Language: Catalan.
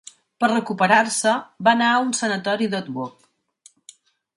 Per recuperar-se, va anar a un sanatori d'Otwock.